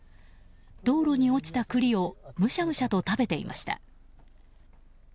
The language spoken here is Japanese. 道路に落ちた栗をむしゃむしゃと食べていました。